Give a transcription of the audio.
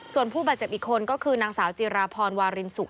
ส่วนผู้บาดเจ็บอีกคนก็คือนางสาวจิราพรวารินสุก